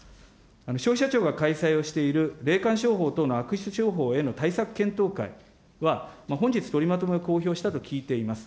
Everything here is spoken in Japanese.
消費者庁が開催している霊感商法等の悪質商法への対策検討会は、本日取りまとめを公表したと聞いています。